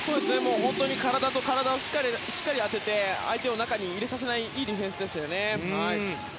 本当に体と体をしっかり当てて相手を中に入れさせないいいディフェンスでした。